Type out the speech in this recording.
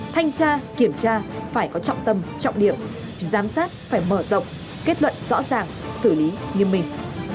thanh tra kiểm tra phải có trọng tâm trọng điểm giám sát phải mở rộng kết luận rõ ràng xử lý nghiêm minh